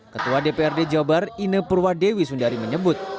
ketua dprd jawa barat ine purwadewi sundari menyebut